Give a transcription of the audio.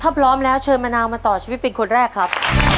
ถ้าพร้อมแล้วเชิญมะนาวมาต่อชีวิตเป็นคนแรกครับ